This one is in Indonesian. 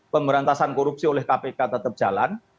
pemberantasan korupsi oleh kpk tetap jalan